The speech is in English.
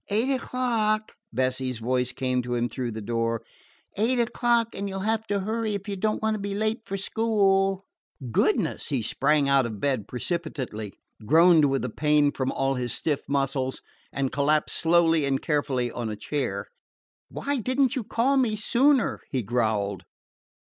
"Eight o'clock," Bessie's voice came to him through the door. "Eight o'clock, and you 'll have to hurry if you don't want to be late for school." "Goodness!" He sprang out of bed precipitately, groaned with the pain from all his stiff muscles, and collapsed slowly and carefully on a chair. "Why did n't you call me sooner?" he growled.